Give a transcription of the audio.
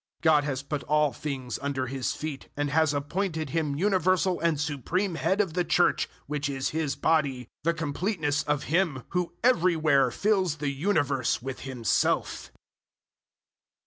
001:022 God has put all things under His feet, and has appointed Him universal and supreme Head of the Church, which is His Body, 001:023 the completeness of Him who everywhere fills the universe with Himself.